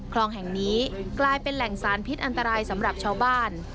คลองแห่งนี้กลายเป็นแหล่งสารพิษอันตรายสำหรับชาวบ้าน